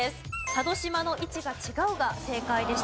佐渡島の位置が違うが正解でした。